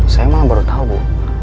saya malah baru tahu bu